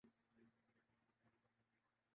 ہمارے ان حکمرانوں کے پیمانۂ صداقت۔